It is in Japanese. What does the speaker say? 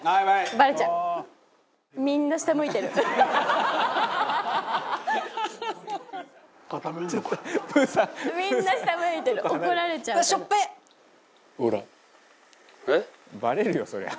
「バレるよそりゃ」